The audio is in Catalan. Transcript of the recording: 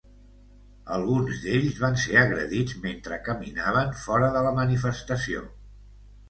Alguns d'ells van ser agredits mentre caminaven fora de la manifestació.